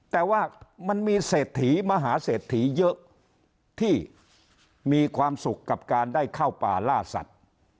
แต่ว่ามันมีเศรษฐีมหาเศรษฐีเยอะที่มีความสุขกับการได้เข้าป่าล่าสัตว์